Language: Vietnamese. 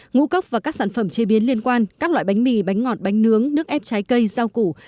ngũ cốc và các sản phẩm chế biến liên quan các loại bánh mì bánh ngọt bánh nướng nước ép trái cây rau củ